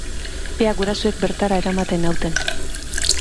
Ea gurasoek bertara eramaten nauten!